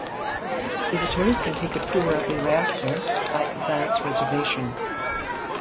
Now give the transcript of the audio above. Visitors can take a tour of the reactor by advance reservation.